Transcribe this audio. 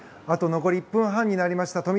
あと残り１分半になりました。